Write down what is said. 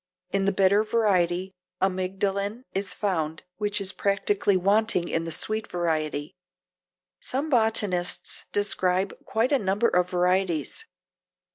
In the bitter variety amygdalin is found, which is practically wanting in the sweet variety. Some botanists describe quite a number of varieties.